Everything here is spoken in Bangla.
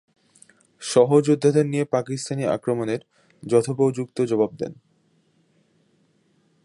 সহযোদ্ধাদের নিয়ে পাকিস্তানি আক্রমণের যথোপযুক্ত জবাব দেন।